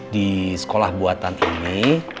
di sekolah buatan ini